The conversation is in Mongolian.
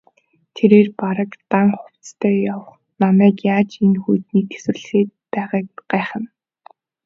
Тэрээр бараг дан хувцастай явах намайг яаж энэ хүйтнийг тэсвэрлээд байгааг гайхна.